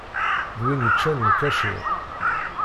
D win yeččan lkacir.